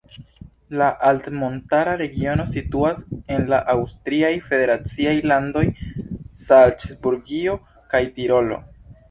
La altmontara regiono situas en la aŭstriaj federaciaj landoj Salcburgio kaj Tirolo.